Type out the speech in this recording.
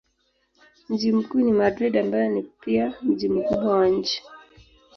Mji mkuu ni Madrid ambayo ni pia mji mkubwa wa nchi.